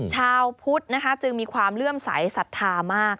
ชาวพุทธนะคะจึงมีความเลื่อมใสสัทธามาก